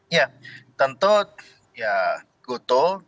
ya tentu ya gotoh